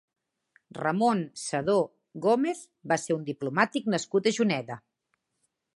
Ramón Sedó Gómez va ser un diplomàtic nascut a Juneda.